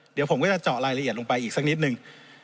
เดี๋ยวผมก็จะเจาะรายละเอียดลงไปอีกสักนิดนึง